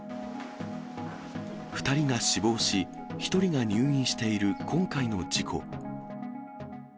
２人が死亡し、１人が入院している今回の事故。